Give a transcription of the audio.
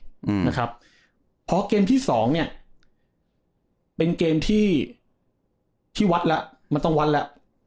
อืมนะครับพอเกมที่สองเนี้ยเป็นเกมที่ที่วัดแล้วมันต้องวัดแล้ว